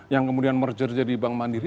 yang kemudian merger jadi bank mandiri